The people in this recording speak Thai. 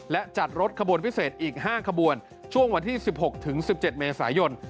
และจัดรถขบวนพิเศษอีก๕ขบวนช่วงวันที่๑๖ถึง๑๗เมษายน